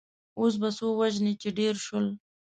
اوس به څو وژنې چې ډېر شول.